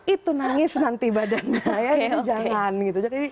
itu nangis nanti badan saya jadi jangan gitu